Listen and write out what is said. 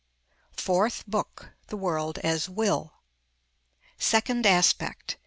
FOURTH BOOK. THE WORLD AS WILL. Second Aspect.